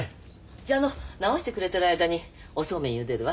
じゃ直してくれてる間におそうめんゆでるわ。